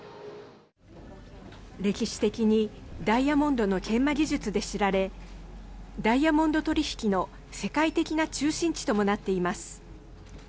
歴史的にダイヤモンドの研磨技術で知られダイヤモンド取り引きの世界的な中心地ともなっています。